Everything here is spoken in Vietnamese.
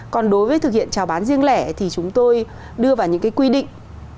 còn đối với thực hiện trào bán riêng lẻ thì chúng tôi đưa vào những cái quy định